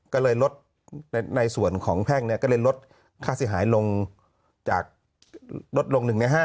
ก็เลยลดในส่วนของแพ่งก็เลยลดค่าเสียหายลงจากลดลง๑ใน๕